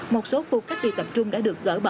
một số khu cách ly tập trung đã được gỡ bỏ